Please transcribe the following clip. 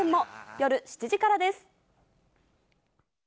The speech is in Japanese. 夜７時からです。